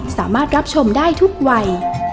สามารถรับชมได้ทุกวัย